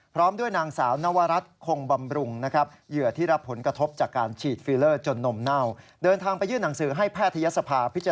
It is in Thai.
พร้อมด้วยนางสาวนวรัตต์โคงบำรุงนะครับ